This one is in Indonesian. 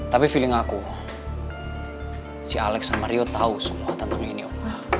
tapi feeling aku si alex sama rio tahu semua tentang ini